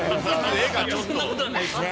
そんなことはないでしょ。